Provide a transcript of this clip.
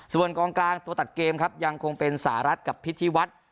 ส่วนกองกลางตัวตัดเกมครับยังคงเป็นสหรัฐกับพิธีวัฒน์